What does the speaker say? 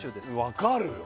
わかるよ！